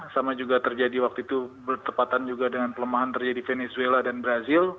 sama juga terjadi waktu itu bertepatan juga dengan pelemahan terjadi venezuela dan brazil